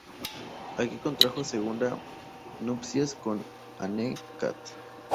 Aquí contrajo segunda nupcias con Anne-Cath.